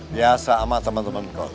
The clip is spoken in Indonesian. biasa sama temen temen golf